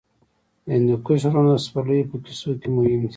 د هندوکش غرونه د سپرليو په کیسو کې مهم دي.